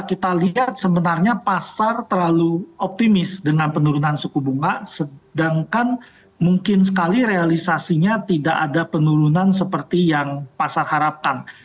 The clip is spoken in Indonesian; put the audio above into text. kita lihat sebenarnya pasar terlalu optimis dengan penurunan suku bunga sedangkan mungkin sekali realisasinya tidak ada penurunan seperti yang pasar harapkan